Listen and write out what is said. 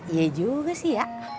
iya juga sih ya